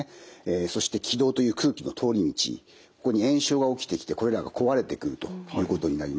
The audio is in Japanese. そして気道という空気の通り道ここに炎症が起きてきてこれらが壊れてくるということになります。